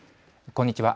こんにちは。